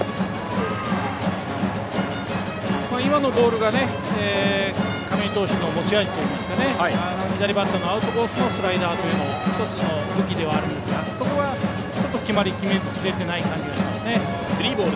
今のボールが亀井投手の持ち味といいますか左バッターのアウトコースへのスライダーというのを１つの武器ではあるんですがそこがちょっと決まりきれてない感じがします。